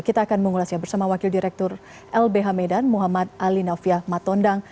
kita akan mengulasnya bersama wakil direktur lbh medan muhammad ali nafiah matondang